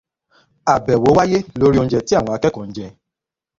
Àbẹ̀wọ̀ wáyé lórí oúnjẹ tí àwọn akẹ́kọ̀ọ́ ń jẹ.